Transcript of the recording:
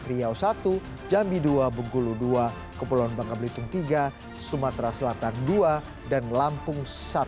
riau satu jambi dua bengkulu dua kepulauan bangka belitung tiga sumatera selatan dua dan lampung satu